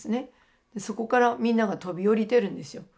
そこからみんなが飛び降りてるんですよ。